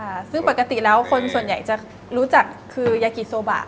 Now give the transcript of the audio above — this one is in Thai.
ค่ะซึ่งปกติแล้วคนส่วนใหญ่จะรู้จักคือยากิโซบะ